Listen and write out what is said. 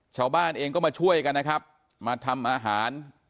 ชาวบ้านเองก็มาช่วยกันนะครับมาทำอาหาร